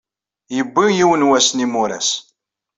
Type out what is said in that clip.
Yuwey yiwen wass n yimuras.